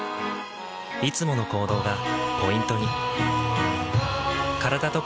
いつもの行動がポイントに。